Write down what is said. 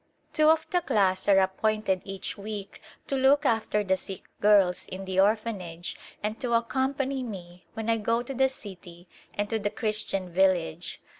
Two of the class are appointed each week to look after the sick girls in the Orphanage and to accom pany me when I go to the city and to the Christian village.